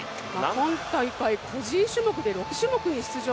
今大会、個人種目で６種目に出場。